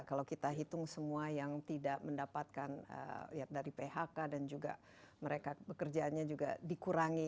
kalau kita hitung semua yang tidak mendapatkan dari phk dan juga mereka pekerjaannya juga dikurangi